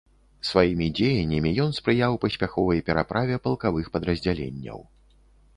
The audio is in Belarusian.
Сваімі дзеяннямі ён спрыяў паспяховай пераправе палкавых падраздзяленняў.